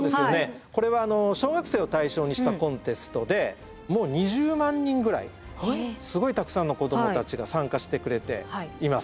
これは小学生を対象にしたコンテストでもう２０万人ぐらいすごいたくさんの子どもたちが参加してくれています。